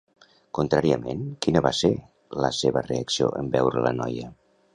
Contràriament, quina va ser la seva reacció en veure la noia?